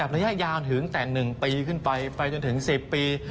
ระยะยาวถึงแต่๑ปีขึ้นไปไปจนถึง๑๐ปี